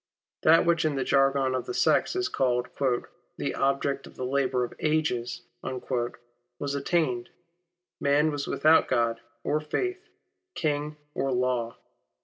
That which in the jargon of the sect is called ^' the object of the labour of ages," was attained. Man was without God or Faith, King or Law.